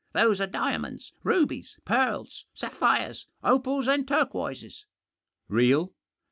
"Those are diamonds, rubies, pearls, sapphires, opals, and turquoises. "Real?"